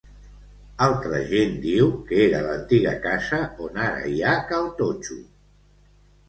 Altra gent diu que era l'antiga casa on ara hi ha Cal Totxo.